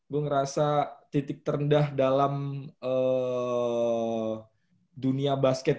gue ngerasa titik terendah dalam dunia basket